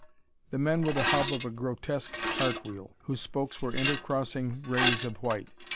The men were the hub of a grotesque cartwheel, whose spokes were inter crossing rays of white.